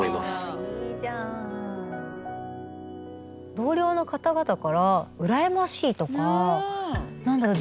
同僚の方々から「うらやましい」とか何だろう